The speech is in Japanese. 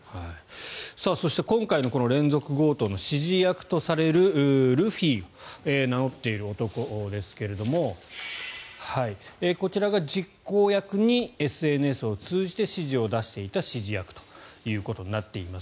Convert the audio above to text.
そして今回のこの連続強盗の指示役とされるルフィを名乗っている男ですがこちらが実行役にＳＮＳを通じて指示を出していた指示役ということになっています。